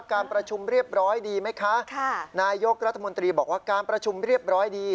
การประชุมเรียบร้อยดีไหมคะนายกรัฐมนตรีบอกว่าการประชุมเรียบร้อยดี